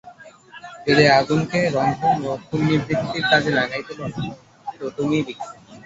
যদি আগুনকে রন্ধন এবং ক্ষুন্নিবৃত্তির কাজে লাগাইতে পার তো তুমি বিজ্ঞ।